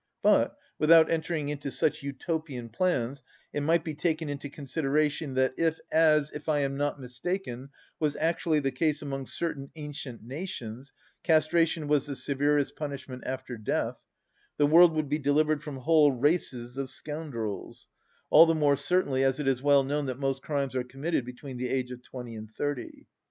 But, without entering into such utopian plans, it might be taken into consideration that if, as, if I am not mistaken, was actually the case among certain ancient nations, castration was the severest punishment after death, the world would be delivered from whole races of scoundrels, all the more certainly as it is well known that most crimes are committed between the age of twenty and thirty.